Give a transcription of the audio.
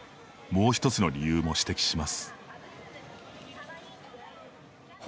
もう一つの理由も指摘します。